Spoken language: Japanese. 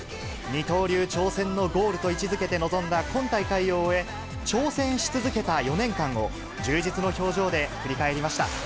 二刀流挑戦のゴールと位置づけて臨んだ今大会を終え、挑戦し続けた４年間を充実の表情で振り返りました。